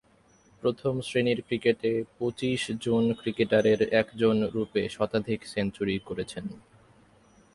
প্রথম-শ্রেণীর ক্রিকেটে পঁচিশ জন ক্রিকেটারের একজনরূপে শতাধিক সেঞ্চুরি করেছেন।